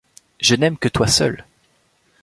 Je n’aime que toi seule !